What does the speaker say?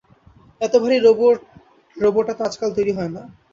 এত ভারি রোবটাতো আজকাল তৈরি হয় না।